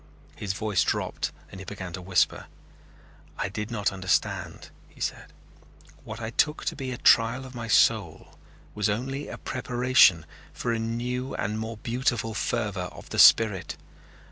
His voice dropped and he began to whisper. "I did not understand," he said. "What I took to be a trial of my soul was only a preparation for a new and more beautiful fervor of the spirit.